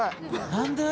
何で？